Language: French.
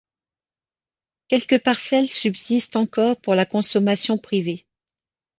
Quelques parcelles subsistent encore pour la consommation privée.